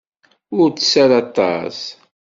Ur tess ara aṭas.